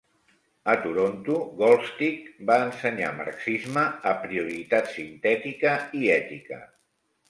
A Toronto, Goldstick va ensenyar marxisme, aprioritat sintètica i ètica.